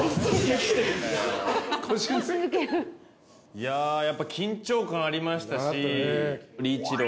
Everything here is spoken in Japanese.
い筺やっぱ緊張感ありましたし賚困里諭。